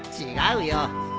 違うよ。